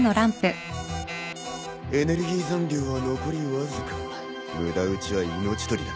エネルギー残量は残りわずか無駄撃ちは命取りだな。